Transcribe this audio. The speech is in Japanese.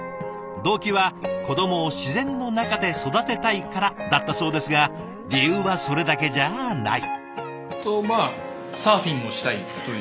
動機は子どもを自然の中で育てたいからだったそうですが理由はそれだけじゃない。